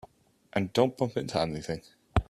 And don't bump into anything.